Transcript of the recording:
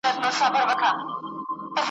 زموږ د کورنۍ محیط له وخته وخته د کتاب